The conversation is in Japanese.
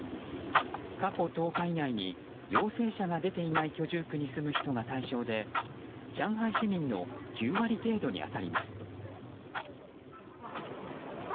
過去１０日以内に陽性者が出ていない居住区に住む人が対象で上海市民の９割程度に当たります。